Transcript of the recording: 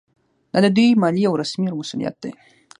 دا د دوی ملي او رسمي مسوولیت دی